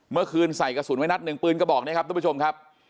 เมื่อคืนใส่กระสุนไว้นัดหนึ่งปืนกระบอกนี้ครับทุกผู้ชมครับ